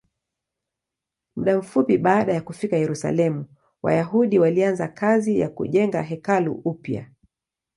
Muda mfupi baada ya kufika Yerusalemu, Wayahudi walianza kazi ya kujenga hekalu upya.